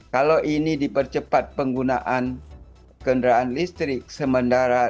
kalau ini dipercepat penggunaan kendaraan listrik sementara